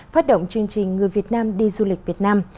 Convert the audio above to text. phát động chương trình người việt nam đi du lịch việt nam